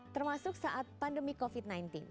termasuk saat pandemi covid sembilan belas